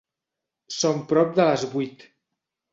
Són prop de les vuit.